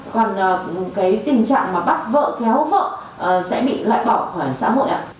còn cái tình trạng mà bắt vợ kéo vợ sẽ bị loại bỏ xã hội ạ